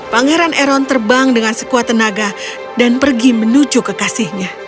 pangeran eron terbang dengan sekuat tenaga dan pergi menuju kekasihnya